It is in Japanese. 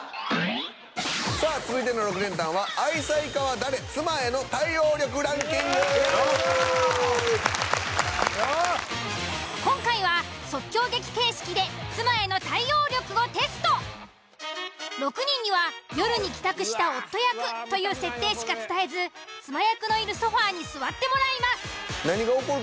さあ続いての６連単は今回は６人には夜に帰宅した夫役という設定しか伝えず妻役のいるソファに座ってもらいます。